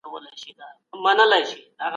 هیڅ حالت دوام نلري.